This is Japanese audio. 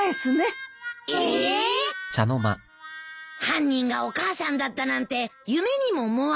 犯人がお母さんだったなんて夢にも思わなかったよ。